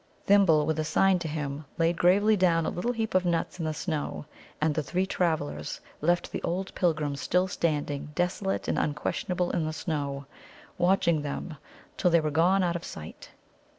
Thimble, with a sign to him, laid gravely down a little heap of nuts in the snow. And the three travellers left the old pilgrim still standing desolate and unquestionable in the snow, watching them till they were gone out of sight.